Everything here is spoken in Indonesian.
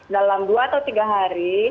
dalam dua atau tiga hari